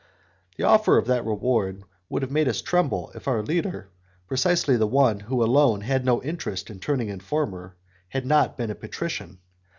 The offer of that reward would have made us tremble if our leader, precisely the one who alone had no interest in turning informer, had not been a patrician.